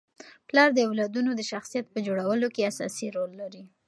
پلار د اولادونو د شخصیت په جوړولو کي اساسي رول لري.